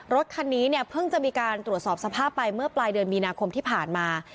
รถคันนี้เนี่ยเพิ่งจะมีการตรวจสอบสภาพไปเมื่อปลายเดือนมีนาคมที่ผ่านมา